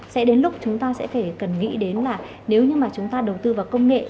sẽ đến lúc chúng ta sẽ phải cần nghĩ đến là nếu như mà chúng ta đầu tư vào công nghệ